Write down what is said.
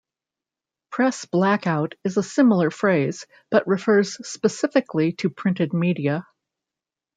Press blackout is a similar phrase, but refers specifically to printed media.